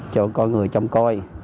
cho có người trông coi